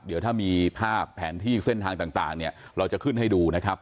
เดี๋ยวถ้ามีภาพแผนที่เส้นทางต่างเนี่ยเราจะขึ้นให้ดูนะครับ